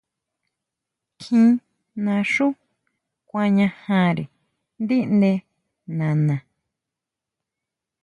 Kjín naxú kuañajare ndíʼnde nana.